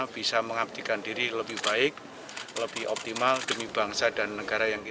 bisa mengabdikan diri lebih baik lebih optimal demi bangsa dan negara yang kita